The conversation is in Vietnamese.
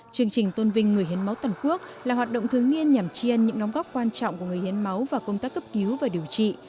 chương trình tôn vinh người hiến máu toàn quốc là hoạt động thường niên nhằm chiên những nóng góc quan trọng của người hiến máu và công tác cấp cứu và điều trị